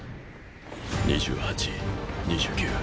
２８２９。